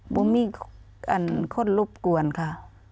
ไม่มีคนลุบกวนค่ะ